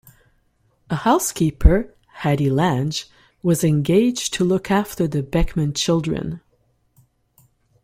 A housekeeper, Hattie Lange, was engaged to look after the Beckman children.